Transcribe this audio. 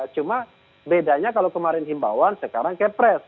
cuma bedanya kalau kemarin himbawan sekarang kayak pres